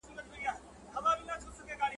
چي له مېړونو مېنه خالي سي ,